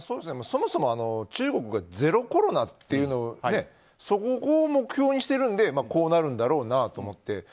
そもそも中国がゼロコロナっていうのでそこを目標にしているのでこうなるんだろうなと思って。